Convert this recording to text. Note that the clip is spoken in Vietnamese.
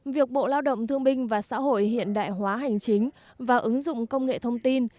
việc bộ lao động thương binh và xã hội hiện đại hóa hành chính và ứng dụng công nghệ thông tin